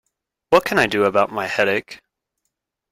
What can I do about my headache?